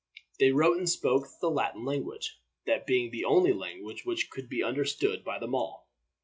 They wrote and spoke the Latin language, that being the only language which could be understood by them all.